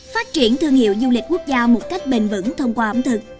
phát triển thương hiệu du lịch quốc gia một cách bền vững thông qua ẩm thực